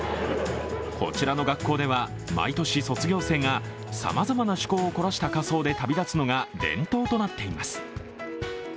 こちらの学校では毎年卒業生がさまざまな趣向を凝らした仮装で旅立つのが伝統となっています。